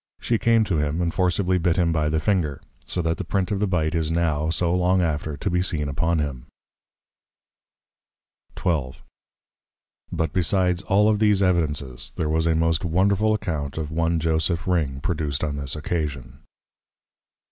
She came to him, and forceably bit him by the Finger; so that the Print of the bite is now, so long after, to be seen upon him. XII. But besides all of these Evidences, there was a most wonderful Account of one Joseph Ring, produced on this occasion.